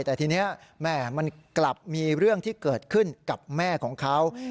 แต่ทีนี้แม่มันกลับมีเรื่องที่เกิดขึ้นกับแม่ของเขา